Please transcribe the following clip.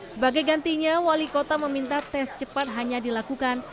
sebagai gantinya wali kota meminta tes cepat hanya dilakukan